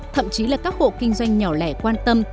thậm chí là các hộ kinh doanh nhỏ lẻ quan tâm